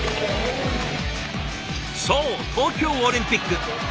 そう東京オリンピック！